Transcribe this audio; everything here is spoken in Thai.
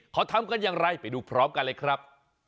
เขาทำกันอย่างไรไปดูพร้อมกันเลยครับ